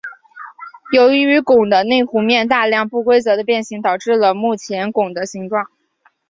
由于拱的内弧面大量不规则的变形导致了目前拱的形状。